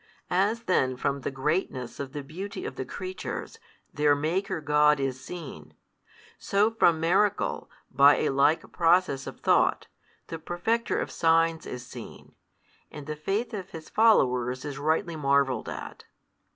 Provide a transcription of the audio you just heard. As then from the greatness of the beauty of the creatures, their Maker God is seen, so from miracle, by a like process of thought, the Perfecter of |319 signs is seen, and the faith of His followers is rightly marvelled at.